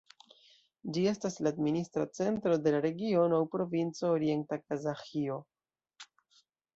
Ĝi estas la administra centro de la regiono aŭ provinco Orienta Kazaĥio.